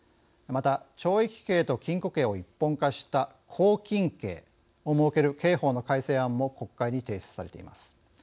また懲役刑と禁錮刑を一本化した拘禁刑を設ける刑法の改正案も国会に提出されています。